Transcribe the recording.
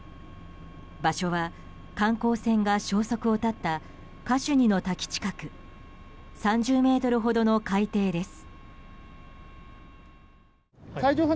場所は観光船が消息を絶ったカシュニの滝近く３０ｍほどの海底です。